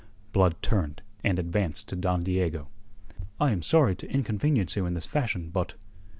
Blood turned, and advanced to Don Diego. "I am sorry to inconvenience you in this fashion, but..."